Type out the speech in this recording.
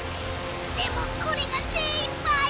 でもこれが精いっぱい！